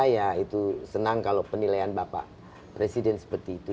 ya itu senang kalau penilaian bapak presiden seperti itu